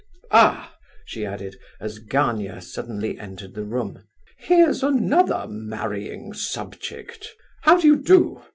"Ah!" she added, as Gania suddenly entered the room, "here's another marrying subject. How do you do?"